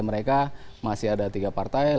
lalu mereka masih memainkan satu final liga eropa